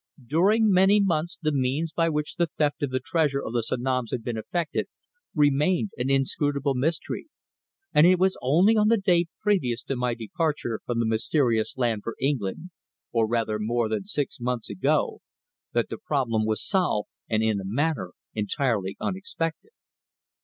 During many months the means by which the theft of the Treasure of the Sanoms had been effected remained an inscrutable mystery, and it was only on the day previous to my departure from the mysterious land for England, or rather more than six months ago, that the problem was solved and in a manner entirely unexpected.